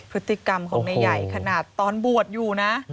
พฤติกรรมของนายใหญ่ขนาดตอนบวชอยู่นะ